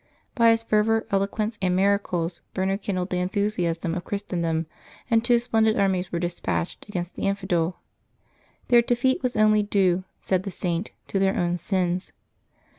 By his fervor, eloquence, and mira cles Bernard kindled the enthusiasm of Christendom, and two splendid armies were despatched against the infidel. Their defeat was only due, said the Saint, to their own sins.